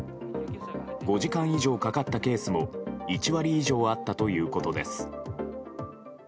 ５時間以上かかったケースも１割以上あったということです。